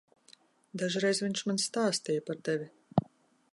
Dažreiz viņš man stāstīja par tevi.